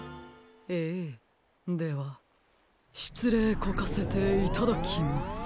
ええではしいつれいこかせていただきます！